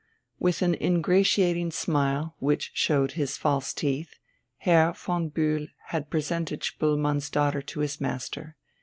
With an ingratiating smile, which showed his false teeth, Herr von Bühl had presented Spoelmann's daughter to his master.